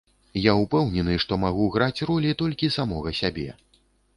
Я ўпэўнены, што магу граць ролі толькі самога сябе.